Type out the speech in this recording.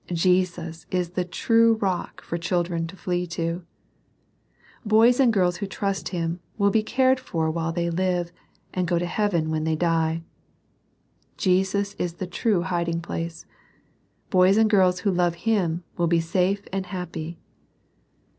Jesus is the true rock for children to flee to. Boys and girls who trust Him will be cared for while they live, and go to heaven when they die. Jesus is the true hiding place. Boys and girls who love Him will be safe and happy.